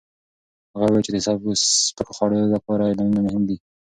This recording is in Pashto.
هغه وویل چې د سپکو خوړو لپاره اعلانونه مهم دي.